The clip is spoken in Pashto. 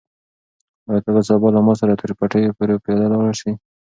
آیا ته به سبا له ما سره تر پټیو پورې پیاده لاړ شې؟